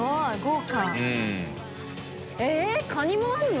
えっカニもあるの？